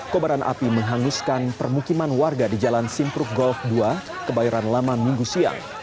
kobaran api menghanguskan permukiman warga di jalan simpruk golf dua kebayoran lama minggu siang